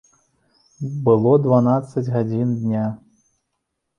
Было дванаццаць гадзін дня.